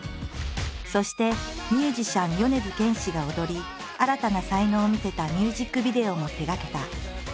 そしてミュージシャン米津玄師が踊り新たな才能を見せたミュージックビデオも手がけた。